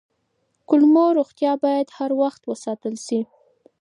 د کولمو روغتیا باید هر وخت وساتل شي.